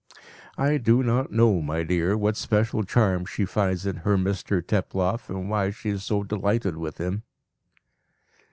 "I do not know, my dear, what special charm she finds in her Mr Teploff, and why she is so delighted with him."